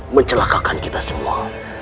mencelakakan kita semua